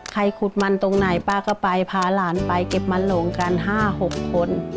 ขุดมันตรงไหนป้าก็ไปพาหลานไปเก็บมันหลงกัน๕๖คน